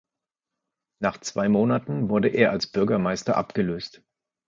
Nach zwei Monaten wurde er als Bürgermeister abgelöst.